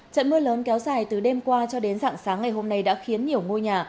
trận mưa lớn kéo dài từ đêm qua cho đến dạng sáng ngày hôm nay đã khiến nhiều ngôi nhà